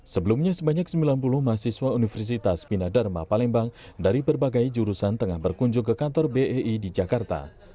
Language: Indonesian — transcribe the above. sebelumnya sebanyak sembilan puluh mahasiswa universitas bina dharma palembang dari berbagai jurusan tengah berkunjung ke kantor bei di jakarta